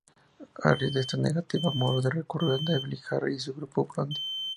A raíz de esta negativa, Moroder recurrió a Debbie Harry y su grupo Blondie.